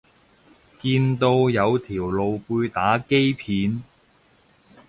見到有條露背打機片